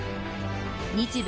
日米